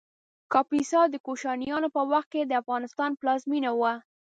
کاپیسا د کوشانیانو په وخت کې د افغانستان پلازمېنه وه